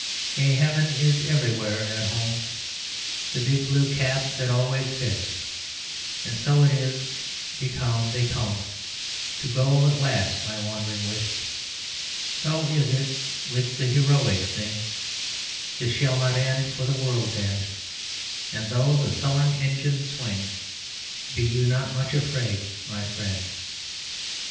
_ _Yea; Heaven is everywhere at home The big blue cap that always fits, And so it is (be calm; they come To goal at last, my wandering wits), So is it with the heroic thing; This shall not end for the world's end, And though the sullen engines swing, Be you not much afraid, my friend.